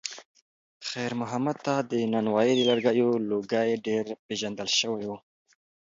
خیر محمد ته د نانوایۍ د لرګیو لوګی ډېر پیژندل شوی و.